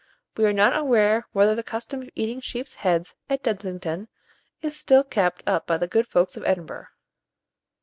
We are not aware whether the custom of eating sheep's heads at Dudingston is still kept up by the good folks of Edinburgh.